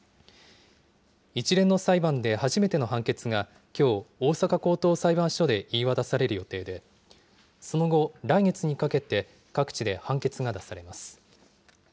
一連の裁判で初めての判決が、きょう、大阪高等裁判所で言い渡される予定で、その後、来月にかけて各地で判決が出されます。